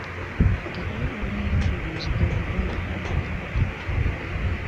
Eby'obulimi n'obulunzi gwe mugongo gwa Uganda.